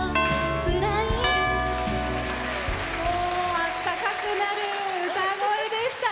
あったかくなる歌声でした。